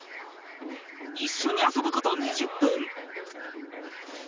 一緒に遊ぶこと２０分。